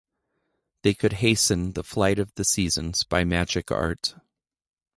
They could hasten the flight of the seasons by magic art.